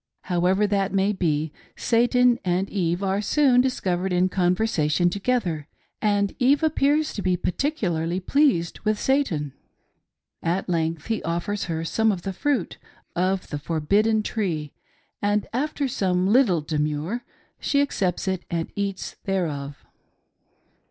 However that may be, Satan and Eve are soon discovered in conversation together, and Eve appears to be particularly pleased with Satan. At length he offers her some of the fruit of the forbidden tree, and after some little denuir she accepts it and eats thereof.